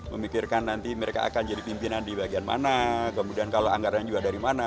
memikirkan nanti mereka akan jadi pimpinan di bagian mana kemudian kalau anggarannya juga dari mana